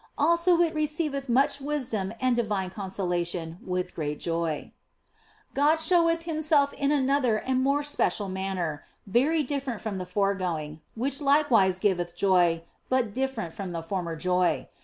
Also it re ceiveth much wisdom and divine consolation with great joy God showeth Himself in another and more special manner, very different from the foregoing, which like wise giveth joy, but different from the former joy.